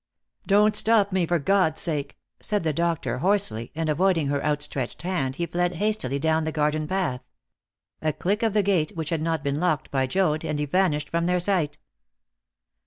"Don't stop me, for God's sake!" said the doctor hoarsely, and avoiding her outstretched hand, he fled hastily down the garden path. A click of the gate, which had not been locked by Joad, and he vanished from their sight.